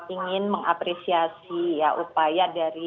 ingin mengapresiasi ya upaya dari